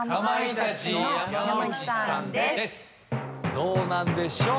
どうなんでしょう？